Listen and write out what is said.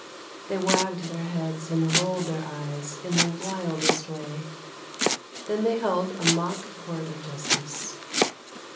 They wagged their heads and rolled their eyes in the wildest way. Then they held a mock court of justice.